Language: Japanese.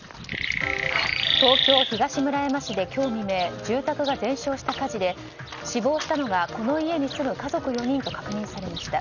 東京・東村山市で今日未明住宅が全焼した火事で死亡したのがこの家に住む家族４人と確認されました。